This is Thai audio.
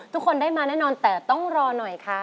ทุกคนได้มาแน่นอนแต่ต้องรอหน่อยค่ะ